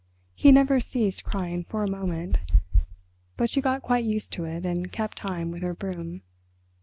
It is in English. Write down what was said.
He never ceased crying for a moment, but she got quite used to it and kept time with her broom.